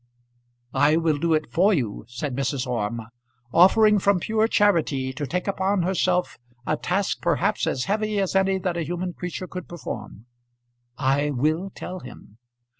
"I will do it for you," said Mrs. Orme, offering from pure charity to take upon herself a task perhaps as heavy as any that a human creature could perform. "I will tell him."